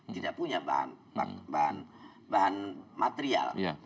tidak punya bahan material